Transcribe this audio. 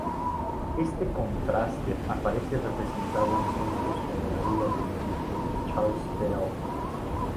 Este contraste aparece representado en cuentos como "La bella durmiente", de Charles Perrault.